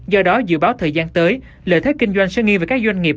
do đó dự báo thời gian tới lợi thế kinh doanh sẽ nghiêng về các doanh nghiệp